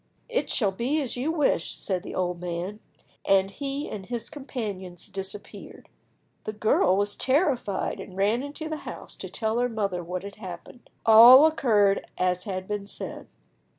"It shall be as you wish," said the old man, and he and his companions disappeared. The girl was terrified, and ran into the house to tell her mother what had happened. All occurred as had been said.